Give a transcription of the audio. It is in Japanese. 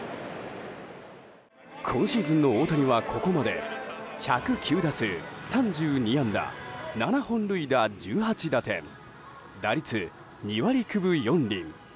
今シーズンの大谷はここまで１０９打数３２安打７本塁打１８打点打率２割９分４厘。